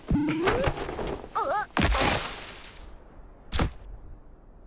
あっ。